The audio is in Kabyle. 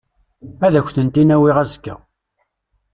Ad ak-tent-in-awiɣ azekka.